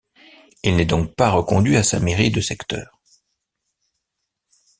Il n'est donc pas reconduit à sa mairie de secteur.